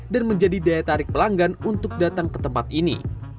dan menjadi daya tarik pelanggan untuk datang ke tempat ini